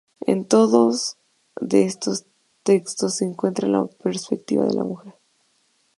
En todos de estos textos se encuentra la perspectiva de la mujer.